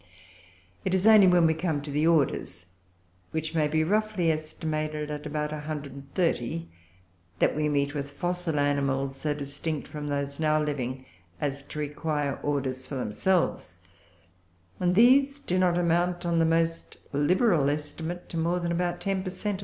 It is only when we come to the orders, which may be roughly estimated at about a hundred and thirty, that we meet with fossil animals so distinct from those now living as to require orders for themselves; and these do not amount, on the most liberal estimate, to more than about 10 per cent.